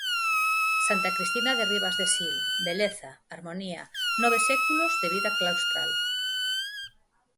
Santa Cristina de Ribas de Sil, beleza, harmonía, nove séculos de vida claustral.